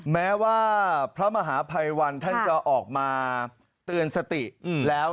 แม้ว่าพระมหาภัยวันท่านจะออกมาเตือนสติแล้ว